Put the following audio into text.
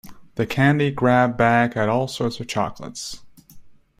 The candy grab bag had all sorts of chocolates.